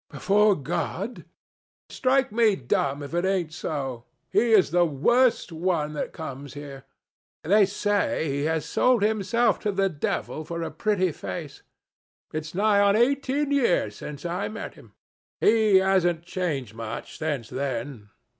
"Before God?" "Strike me dumb if it ain't so. He is the worst one that comes here. They say he has sold himself to the devil for a pretty face. It's nigh on eighteen years since I met him. He hasn't changed much since then.